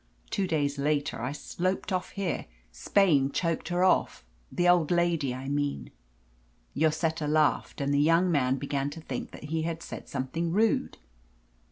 Two days later I sloped off here. Spain choked her off the old lady, I mean." Lloseta laughed, and the young man began to think that he had said something rude.